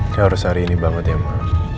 seharusnya hari ini banget ya ma